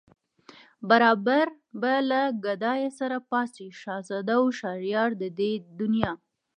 برابر به له گدايه سره پاڅي شهزاده و شهريار د دې دنیا